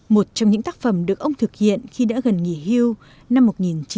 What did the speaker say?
một trong những tác phẩm được ông thực hiện khi đã gần nghỉ hưu năm một nghìn chín trăm bảy mươi